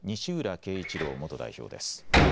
恵一郎元代表です。